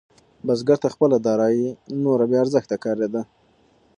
بزګر ته خپله دارايي نوره بې ارزښته ښکارېده.